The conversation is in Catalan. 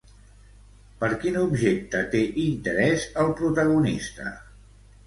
Per quin objecte té interès el protagonista?